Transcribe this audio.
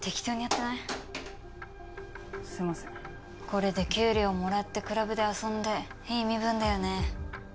これで給料もらってクラブで遊んでいい身分だよね。